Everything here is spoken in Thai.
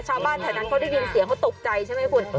ชาวบ้านแถวนั้นเขาได้ยินเสียงเขาตกใจใช่ไหมคุณ